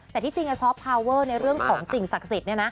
แต่ที่จริงซอฟพาวเวอร์ในเรื่องของสิ่งศักดิ์สิทธิ์